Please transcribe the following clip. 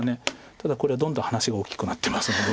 ただこれはどんどん話が大きくなってますので。